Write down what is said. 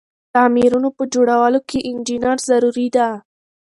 تعميرونه په جوړولو کی انجنیر ضروري ده.